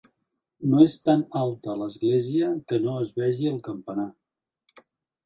No és tan alta l'església que no es vegi el campanar.